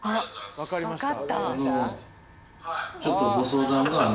分かりました？